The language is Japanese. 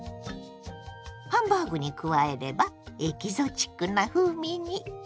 ハンバーグに加えればエキゾチックな風味に！